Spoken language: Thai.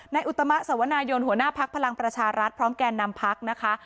อุตมะสวนายนหัวหน้าพักพลังประชารัฐพร้อมแก่นำพักนะคะ